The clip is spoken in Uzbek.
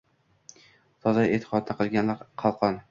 Toza e’tiqodni qilganlar qalqon –